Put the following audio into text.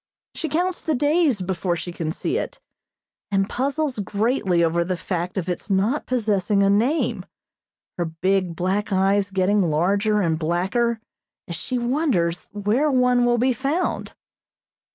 She counts the days before she can see it, and puzzles greatly over the fact of its not possessing a name, her big black eyes getting larger and blacker as she wonders where one will be found.